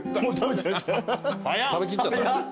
食べきっちゃった？